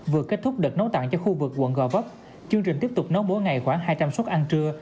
vừa kết thúc đợt nấu tặng cho khu vực quận gò vấp chương trình tiếp tục nấu mỗi ngày khoảng hai trăm linh suất ăn trưa